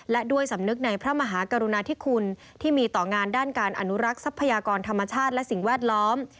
และด้วยสำนึกในพระมหากรุณาธิคุณที่มีต่องานด้านการอนุรักษ์ทรัพยากรธรรมชาติและสิ่งแวดล้อม